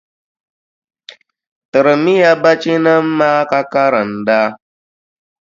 Tirimiya bachinima maa ka karinda.